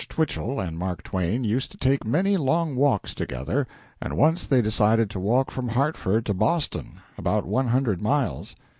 Twichell and Mark Twain used to take many long walks together, and once they decided to walk from Hartford to Boston about one hundred miles.